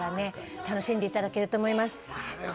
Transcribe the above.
楽しんでいただけると思います。